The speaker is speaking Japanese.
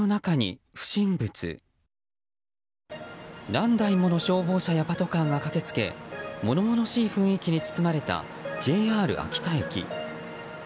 何台もの消防車やパトカーが駆けつけ物々しい雰囲気に包まれたＪＲ秋田駅。